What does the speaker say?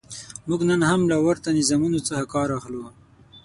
موږ نن هم له ورته نظامونو څخه کار اخلو.